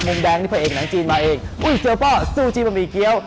มุมแดงนี่เพราะเอกหนังจีนมาเองอุ๊ยสิวป่อสู้จีนบะหมี่เกี๊ยว